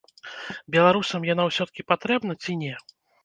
Беларусам яна ўсё-ткі патрэбна ці не?